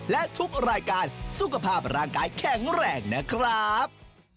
และทุกรายการสุขภาพร่างกายแข็งแรงนะครับ